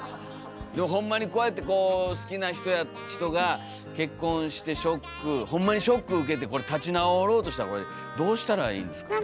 でもホンマにこうやってこう好きな人が結婚してショックホンマにショック受けてこれ立ち直ろうとしたらこれどうしたらいいんですかね。